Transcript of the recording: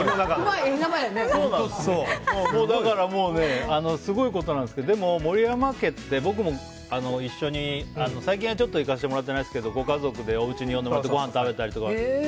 だからもうすごいことなんですけどでも、森山家って僕も一緒に最近は行かせてもらってないけどご家族でおうちに呼んでもらって呼んでもらってごはん食べたりとか。